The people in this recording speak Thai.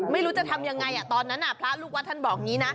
ไม่รู้จะทำอย่างไร